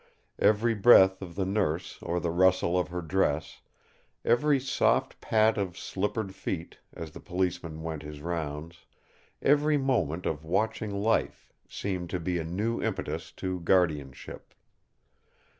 Every breath of the Nurse or the rustle of her dress; every soft pat of slippered feet, as the Policeman went his rounds; every moment of watching life, seemed to be a new impetus to guardianship.